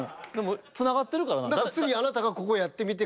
つながってるからな。